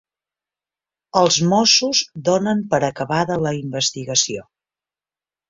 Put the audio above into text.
Els mossos donen per acabada la investigació